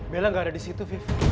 bella gak ada disitu